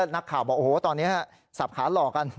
นักข่าวบอกว่าตอนนี้สรับขาดหล่อกัน